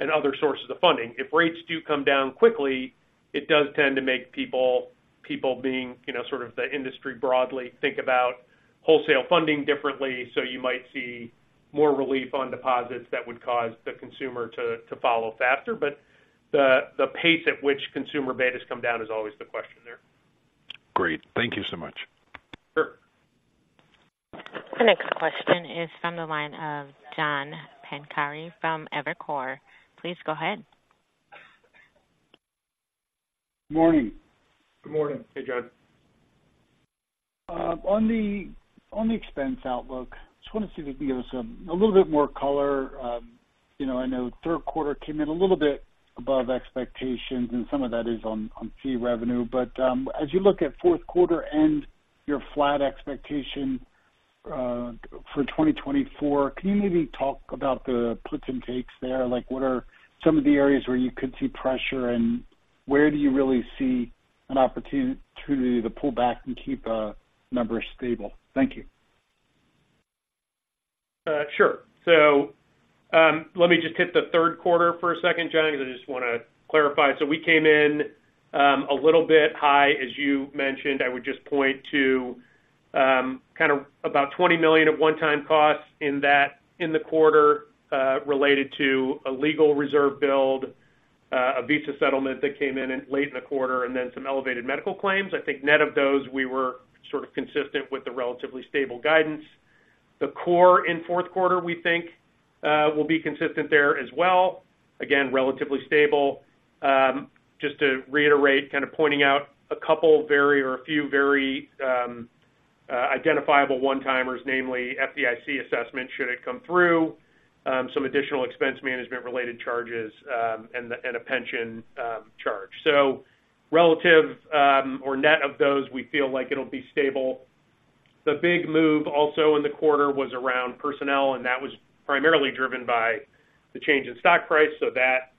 and other sources of funding? If rates do come down quickly, it does tend to make people, people being, you know, sort of the industry broadly, think about wholesale funding differently. So you might see more relief on deposits that would cause the consumer to, to follow faster. But the, the pace at which consumer betas come down is always the question there. Great. Thank you so much. Sure. The next question is from the line of John Pancari from Evercore. Please go ahead. Morning. Good morning. Hey, John. On the expense outlook, just wanted to see if you could give us a little bit more color. You know, I know Q3 came in a little bit above expectations, and some of that is on fee revenue. But, as you look at Q4 and your flat expectation for 2024, can you maybe talk about the puts and takes there? Like, what are some of the areas where you could see pressure, and where do you really see an opportunity to either pull back and keep numbers stable? Thank you. Sure. So, let me just hit the Q3 for a second, John, because I just want to clarify. So we came in a little bit high, as you mentioned. I would just point to kind of about $20 million of one-time costs in that, in the quarter, related to a legal reserve build, a Visa settlement that came in, in late in the quarter, and then some elevated medical claims. I think net of those, we were sort of consistent with the relatively stable guidance. The core in Q4, we think, will be consistent there as well. Again, relatively stable. Just to reiterate, kind of pointing out a couple very or a few very identifiable one-timers, namely FDIC assessment, should it come through, some additional expense management related charges, and a, and a pension charge. So relative, or net of those, we feel like it'll be stable. The big move also in the quarter was around personnel, and that was primarily driven by the change in stock price. So that,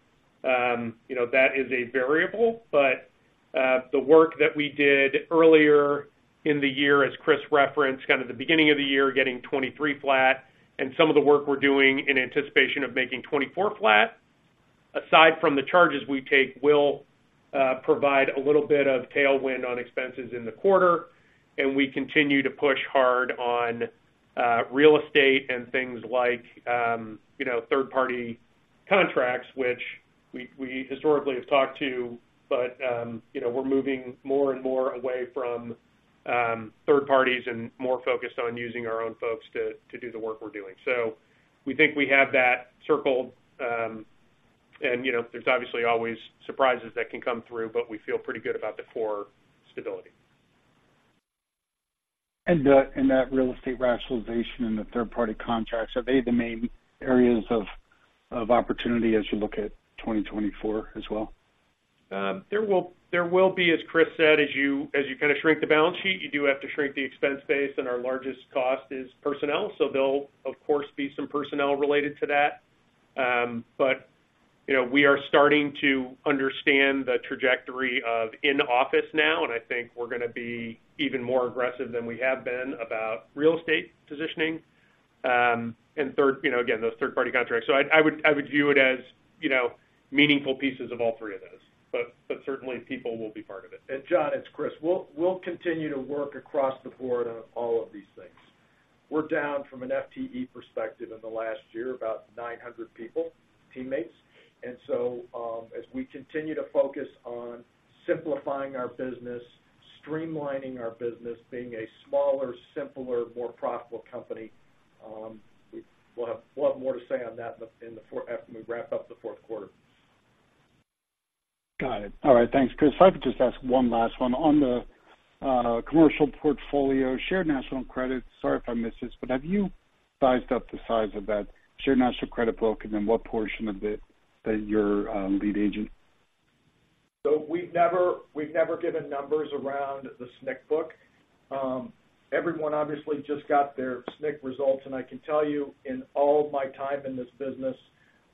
you know, that is a variable. But, the work that we did earlier in the year, as Chris referenced, kind of the beginning of the year, getting 2023 flat, and some of the work we're doing in anticipation of making 2024 flat, aside from the charges we take, will provide a little bit of tailwind on expenses in the quarter, and we continue to push hard on real estate and things like, you know, third-party contracts, which we, we historically have talked to, but, you know, we're moving more and more away from third parties and more focused on using our own folks to, to do the work we're doing. So we think we have that circled. And, you know, there's obviously always surprises that can come through, but we feel pretty good about the core stability. And that real estate rationalization and the third-party contracts, are they the main areas of opportunity as you look at 2024 as well? There will be, as Chris said, as you kind of shrink the balance sheet, you do have to shrink the expense base, and our largest cost is personnel, so there'll, of course, be some personnel related to that. But, you know, we are starting to understand the trajectory of in-office now, and I think we're going to be even more aggressive than we have been about real estate positioning. And third, you know, again, those third-party contracts. So I would view it as, you know, meaningful pieces of all three of those, but certainly people will be part of it. And John, it's Chris. We'll, we'll continue to work across the board on all of these things. We're down from an FTE perspective in the last year, about 900 people, teammates. And so, as we continue to focus on simplifying our business, streamlining our business, being a smaller, simpler, more profitable company, we'll have, we'll have more to say on that in the Q4 after we wrap up the Q4. Got it. All right. Thanks, Chris. If I could just ask one last one. On the commercial portfolio, Shared National Credit, sorry if I missed this, but have you sized up the size of that Shared National Credit book, and then what portion of it that you're lead agent? So we've never, we've never given numbers around the SNC book. Everyone obviously just got their SNC results, and I can tell you, in all of my time in this business,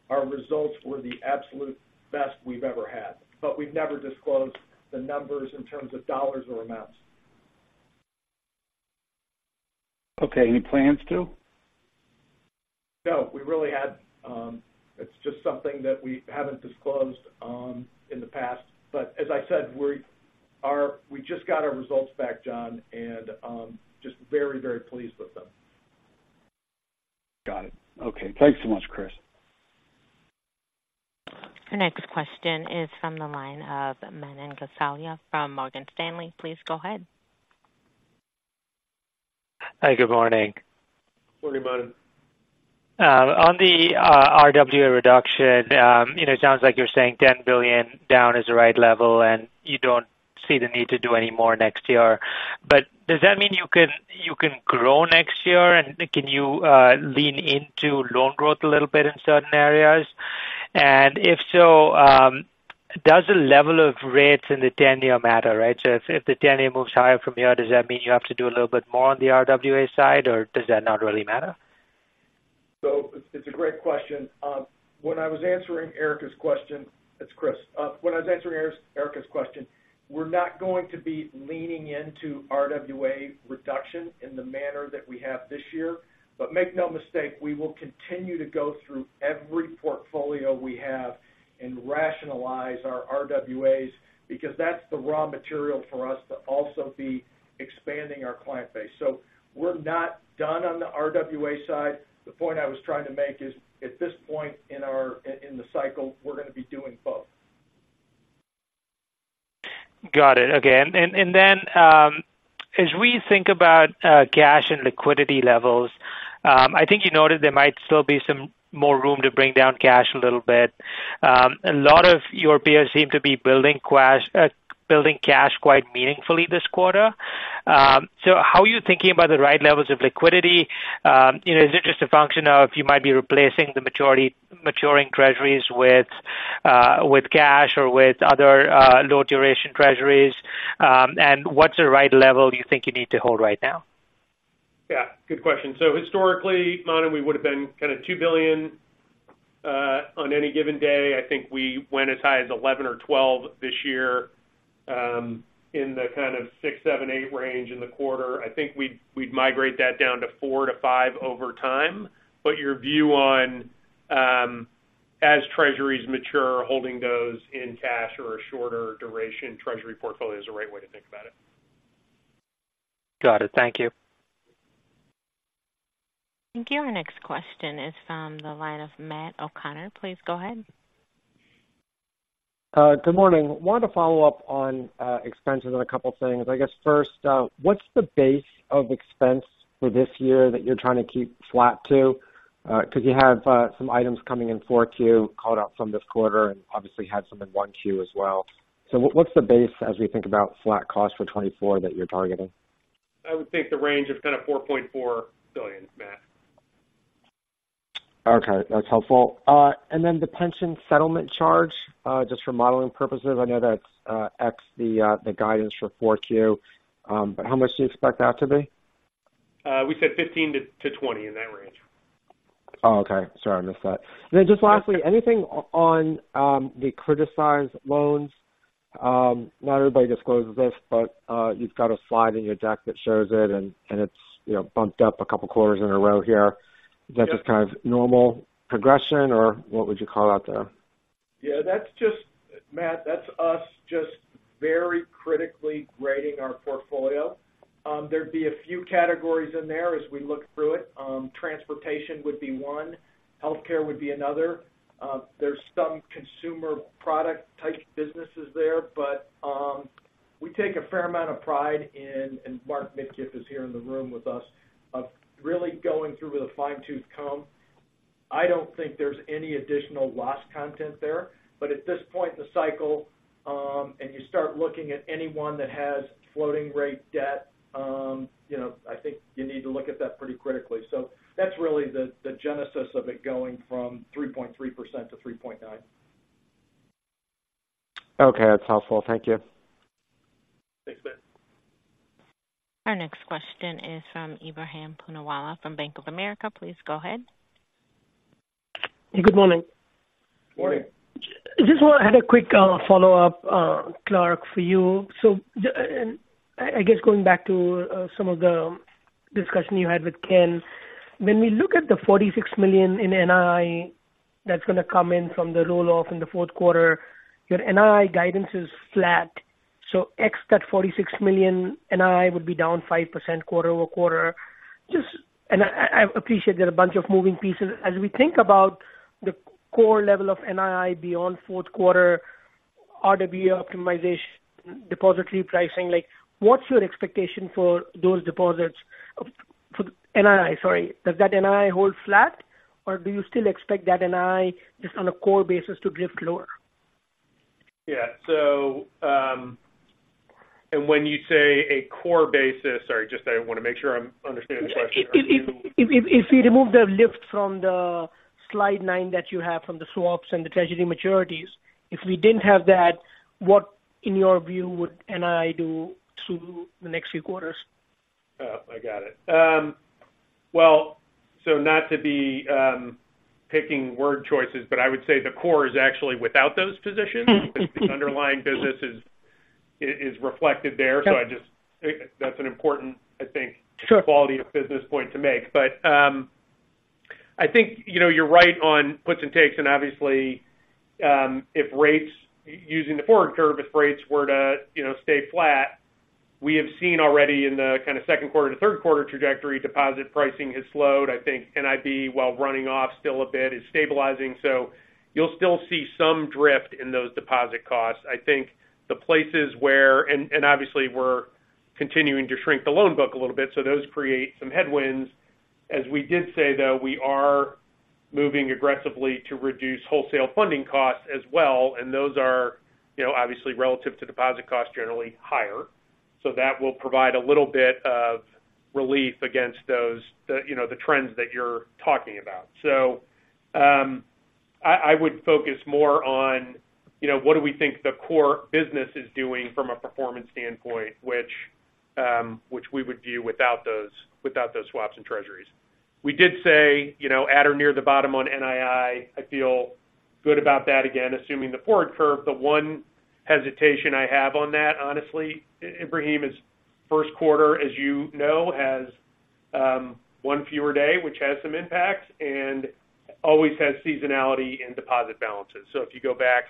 our results were the absolute best we've ever had. But we've never disclosed the numbers in terms of dollars or amounts. Okay. Any plans to? No, we really had. It's just something that we haven't disclosed in the past. But as I said, we just got our results back, John, and just very, very pleased with them. Got it. Okay. Thanks so much, Chris. The next question is from the line of Manan Gosalia from Morgan Stanley. Please go ahead. Hi, good morning. Good morning, Manan. On the RWA reduction, you know, it sounds like you're saying $10 billion down is the right level, and you don't see the need to do any more next year. But does that mean you can, you can grow next year, and can you lean into loan growth a little bit in certain areas? And if so, does the level of rates in the 10-year matter, right? So if the 10-year moves higher from here, does that mean you have to do a little bit more on the RWA side, or does that not really matter? So it's a great question. When I was answering Erika's question—it's Chris. When I was answering Erika's question, we're not going to be leaning into RWA reduction in the manner that we have this year. But make no mistake, we will continue to go through every portfolio we have and rationalize our RWAs, because that's the raw material for us to also be expanding our client base. So we're not done on the RWA side. The point I was trying to make is, at this point in our cycle, we're going to be doing both. Got it. Okay. And then, as we think about cash and liquidity levels, I think you noted there might still be some more room to bring down cash a little bit. A lot of your peers seem to be building cash quite meaningfully this quarter. So how are you thinking about the right levels of liquidity? You know, is it just a function of you might be replacing the maturing Treasuries with cash or with other low duration Treasuries? And what's the right level you think you need to hold right now? Yeah, good question. So historically, Manan, we would have been kind of $2 billion on any given day. I think we went as high as 11 or 12 this year in the kind of six, seven, eight range in the quarter. I think we'd migrate that down to four-five over time. But your view on, as Treasuries mature, holding those in cash or a shorter duration Treasury portfolio is the right way to think about it. Got it. Thank you. Thank you. Our next question is from the line of Matt O'Connor. Please go ahead. Good morning. Wanted to follow up on expenses and a couple things. I guess first, what's the base of expense for this year that you're trying to keep flat to? Because you have some items coming in 4Q, called out from this quarter and obviously had some in 1Q as well. So what's the base as we think about flat costs for 2024 that you're targeting? I would think the range of kind of $4.4 billion, Matt. Okay, that's helpful. And then the pension settlement charge, just for modeling purposes, I know that's the guidance for 4Q. But how much do you expect that to be? We said 15-20, in that range. Oh, okay. Sorry, I missed that. Yeah. Then just lastly, anything on the criticized loans? Not everybody discloses this, but you've got a slide in your deck that shows it and it's, you know, bumped up a couple of quarters in a row here. Yeah. Is that just kind of normal progression, or what would you call out there? Yeah, that's just, Matt, that's us just very critically grading our portfolio. There'd be a few categories in there as we look through it. Transportation would be one, healthcare would be another. There's some consumer product type businesses there, but, we take a fair amount of pride in, and Mark Midkiff is here in the room with us, of really going through with a fine-tooth comb. I don't think there's any additional loss content there, but at this point in the cycle, and you start looking at anyone that has floating rate debt, you know, I think you need to look at that pretty critically. So that's really the genesis of it going from 3.3%-3.9%. Okay, that's helpful. Thank you. Thanks, Matt. Our next question is from Ebrahim Poonawala, from Bank of America. Please go ahead. Good morning. Morning. Just had a quick follow-up, Clark, for you. So, I guess going back to some of the discussion you had with Ken. When we look at the $46 million in NII that's going to come in from the roll-off in the Q4, your NII guidance is flat. So ex that $46 million NII would be down 5% quarter-over-quarter. And I appreciate there are a bunch of moving pieces. As we think about the core level of NII beyond Q4, RWA optimization, depository pricing, like, what's your expectation for those deposits for the NII? Sorry. Does that NII hold flat, or do you still expect that NII, just on a core basis, to drift lower? Yeah. So, when you say a core basis—sorry, just I want to make sure I'm understanding the question. If you remove the lift from the slide 9 that you have from the swaps and the Treasury maturities, if we didn't have that, what, in your view, would NII do through the next few quarters? Oh, I got it. Well, so not to be picking word choices, but I would say the core is actually without those positions. Because the underlying business is reflected there. Yep. That's an important, I think- Sure... quality of business point to make. But, I think, you know, you're right on puts and takes, and obviously, if rates, using the forward curve, if rates were to, you know, stay flat, we have seen already in the kind of Q2 to Q3 trajectory, deposit pricing has slowed. I think NIB, while running off still a bit, is stabilizing. So you'll still see some drift in those deposit costs. I think the places where, and, and obviously we're continuing to shrink the loan book a little bit, so those create some headwinds. As we did say, though, we are moving aggressively to reduce wholesale funding costs as well, and those are, you know, obviously relative to deposit costs, generally higher. So that will provide a little bit of relief against those, the, you know, the trends that you're talking about. So, I would focus more on, you know, what do we think the core business is doing from a performance standpoint, which, which we would view without those, without those swaps and Treasuries. We did say, you know, at or near the bottom on NII, I feel good about that again, assuming the forward curve. The one hesitation I have on that, honestly, Ebrahim, is Q1, as you know, has one fewer day, which has some impacts and always has seasonality and deposit balances. So if you go back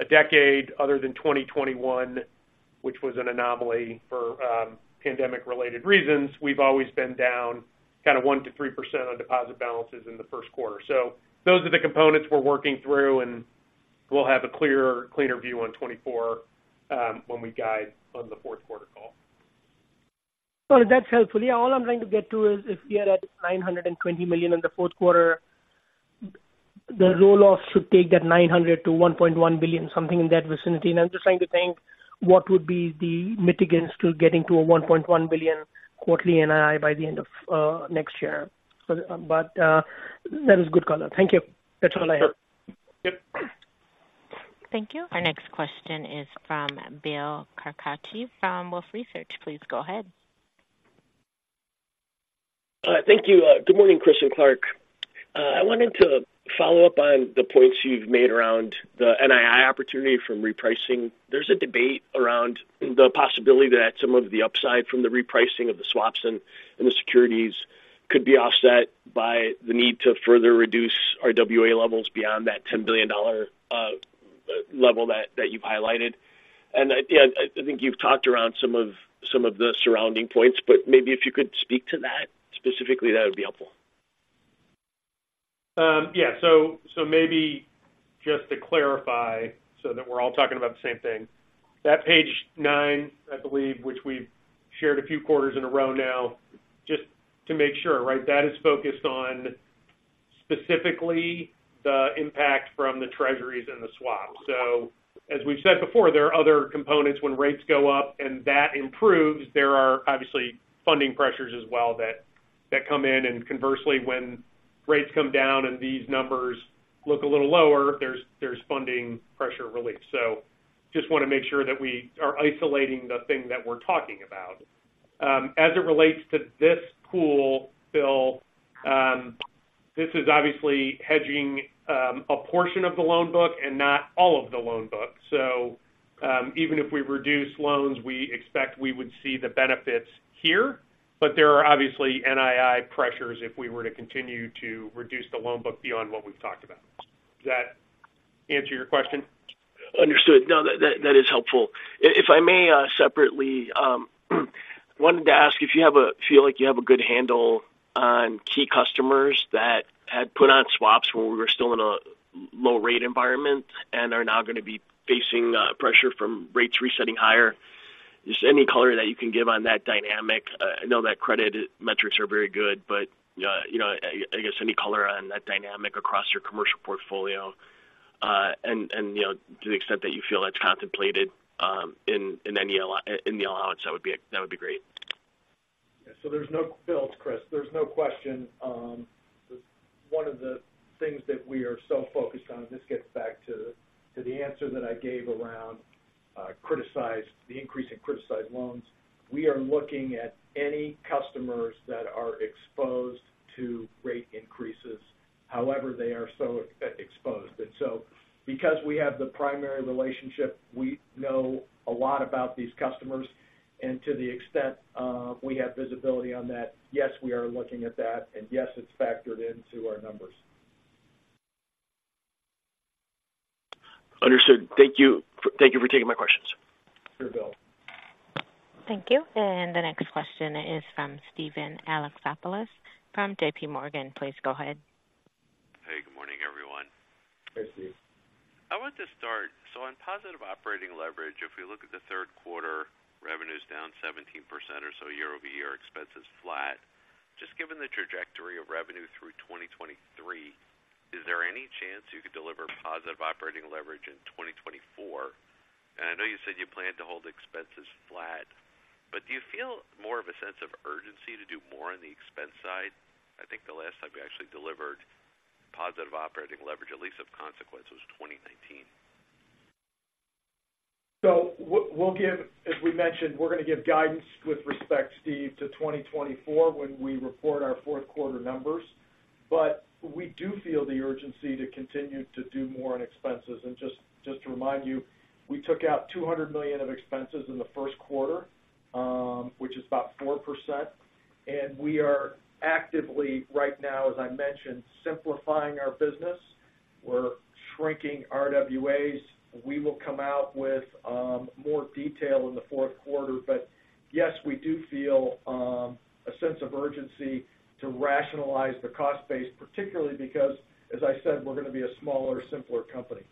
a decade, other than 2021, which was an anomaly for pandemic-related reasons, we've always been down kind of 1%-3% on deposit balances in the Q1. Those are the components we're working through, and we'll have a clearer, cleaner view on 2024 when we guide on the Q4 call. Well, that's helpful. Yeah, all I'm trying to get to is, if we are at $920 million in the fourth quarter, the roll-off should take that $900 million-$1.1 billion, something in that vicinity. And I'm just trying to think what would be the mitigants to getting to a $1.1 billion quarterly NII by the end of next year. But, that is good color. Thank you. That's all I have. Thank you. Our next question is from Bill Carcache from Wolfe Research. Please go ahead. Thank you. Good morning, Chris and Clark. I wanted to follow up on the points you've made around the NII opportunity from repricing. There's a debate around the possibility that some of the upside from the repricing of the swaps and the securities could be offset by the need to further reduce our RWA levels beyond that $10 billion level that you've highlighted. And, again, I think you've talked around some of the surrounding points, but maybe if you could speak to that specifically, that would be helpful. Yeah, so, so maybe just to clarify so that we're all talking about the same thing. That page nine, I believe, which we've shared a few quarters in a row now, just to make sure, right? That is focused on specifically the impact from the Treasuries and the swaps. So as we've said before, there are other components when rates go up and that improves, there are obviously funding pressures as well that come in. And conversely, when rates come down and these numbers look a little lower, there's funding pressure relief. So just want to make sure that we are isolating the thing that we're talking about. As it relates to this pool, Bill, this is obviously hedging a portion of the loan book and not all of the loan book. So, even if we reduce loans, we expect we would see the benefits here, but there are obviously NII pressures if we were to continue to reduce the loan book beyond what we've talked about. Does that answer your question? Understood. No, that is helpful. If I may, separately, wanted to ask if you have a feel like you have a good handle on key customers that had put on swaps when we were still in a low rate environment and are now going to be facing, pressure from rates resetting higher. Just any color that you can give on that dynamic? I know that credit metrics are very good, but, you know, I guess, any color on that dynamic across your commercial portfolio. And, you know, to the extent that you feel that's contemplated, in any allowance, that would be great. Yeah. So there's no... Bill, it's Chris. There's no question. One of the things that we are so focused on, this gets back to the answer that I gave around criticized, the increase in criticized loans. We are looking at any customers that are exposed to rate increases, however they are so exposed. And so, because we have the primary relationship, we know a lot about these customers. And to the extent we have visibility on that, yes, we are looking at that, and yes, it's factored into our numbers. Understood. Thank you. Thank you for taking my questions. Sure, Bill. Thank you. The next question is from Steven Alexopoulos from JPMorgan. Please go ahead. Hey, good morning, everyone. Hey, Steve. I want to start. So on positive operating leverage, if we look at the Q3, revenue is down 17% or so year-over-year, expenses flat. Just given the trajectory of revenue through 2023, is there any chance you could deliver positive operating leverage in 2024? And I know you said you plan to hold expenses flat, but do you feel more of a sense of urgency to do more on the expense side? I think the last time you actually delivered positive operating leverage, at least of consequence, was 2019. So we'll give -- as we mentioned, we're going to give guidance with respect, Steve, to 2024 when we report our Q4 numbers, but we do feel the urgency to continue to do more on expenses. Just to remind you, we took out $200 million of expenses in the Q1, which is about 4%. And we are actively, right now, as I mentioned, simplifying our business. We're shrinking RWAs. We will come out with more detail in the Q4. But yes, we do feel a sense of urgency to rationalize the cost base, particularly because, as I said, we're going to be a smaller, simpler company.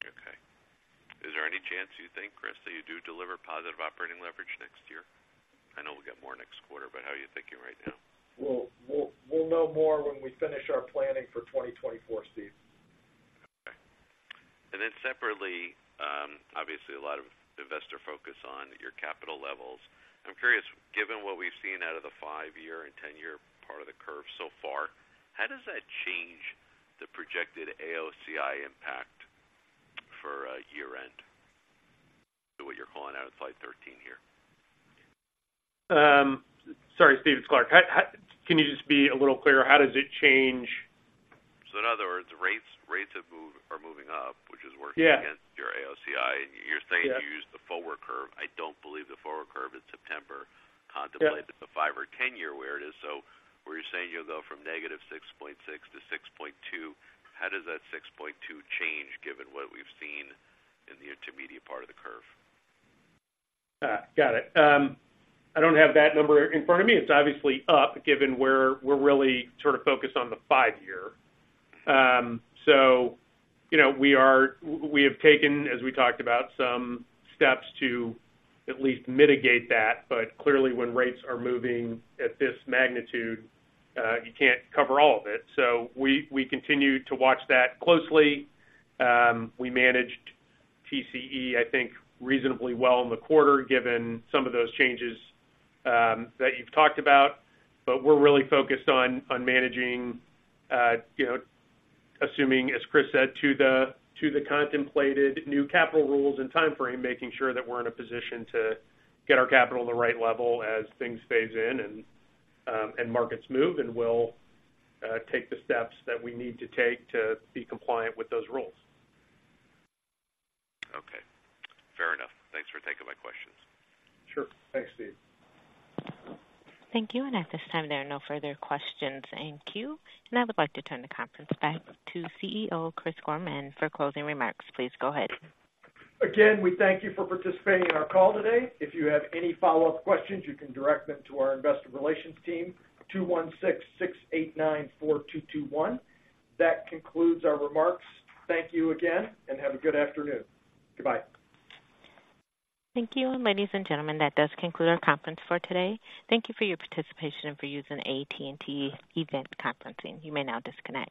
Okay. Is there any chance you think, Chris, that you do deliver positive operating leverage next year? I know we'll get more next quarter, but how are you thinking right now? We'll know more when we finish our planning for 2024, Steve. Okay. And then separately, obviously, a lot of investor focus on your capital levels. I'm curious, given what we've seen out of the five-year and ten-year part of the curve so far, how does that change the projected AOCI impact for, year-end? So what you're calling out at slide 13 here. Sorry, Steve, it's Clark. Can you just be a little clearer? How does it change? So in other words, rates are moving up, which is working- Yeah. -against your AOCI, and you're saying- Yeah. You use the forward curve. I don't believe the forward curve in September- Yeah -contemplated the five or 10-year where it is. So where you're saying you'll go from -6.6 to 6.2, how does that 6.2 change given what we've seen in the intermediate part of the curve? Got it. I don't have that number in front of me. It's obviously up, given we're really sort of focused on the five year. So, you know, we have taken, as we talked about, some steps to at least mitigate that. But clearly, when rates are moving at this magnitude, you can't cover all of it. So we continue to watch that closely. We managed TCE, I think, reasonably well in the quarter, given some of those changes that you've talked about. But we're really focused on, on managing, you know, assuming, as Chris said, to the, to the contemplated new capital rules and timeframe, making sure that we're in a position to get our capital in the right level as things phase in and, and markets move, and we'll, take the steps that we need to take to be compliant with those rules. Okay, fair enough. Thanks for taking my questions. Sure. Thanks, Steve. Thank you. At this time, there are no further questions in queue, and I would like to turn the conference back to CEO, Chris Gorman, for closing remarks. Please go ahead. Again, we thank you for participating in our call today. If you have any follow-up questions, you can direct them to our investor relations team, 216-689-4221. That concludes our remarks. Thank you again, and have a good afternoon. Goodbye. Thank you. And ladies and gentlemen, that does conclude our conference for today. Thank you for your participation and for using AT&T Event Conferencing. You may now disconnect.